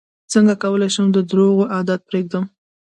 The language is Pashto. څنګه کولی شم د درواغو عادت پرېږدم